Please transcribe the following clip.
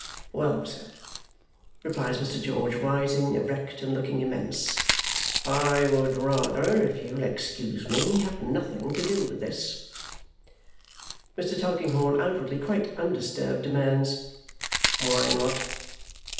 "Well, sir," replies Mr. George, rising erect and looking immense, "I would rather, if you'll excuse me, have nothing to do with this." Mr. Tulkinghorn, outwardly quite undisturbed, demands, "Why not?"